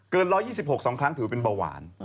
เกิน๑๒๖สองครั้งถือว่าเป็นเบาหวาน